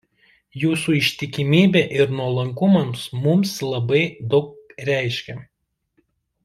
Jūsų ištikimybė ir nuolankumas Mums labai daug reiškia.